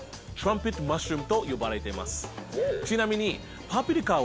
ちなみに。